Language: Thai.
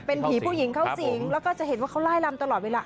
เป็นผีผู้หญิงเข้าสิงแล้วก็จะเห็นว่าเขาไล่ลำตลอดเวลา